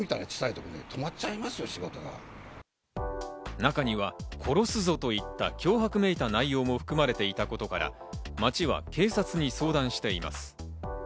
中には「殺すぞ」といった脅迫めいた内容も含まれていたことから、町は警察に相談しています。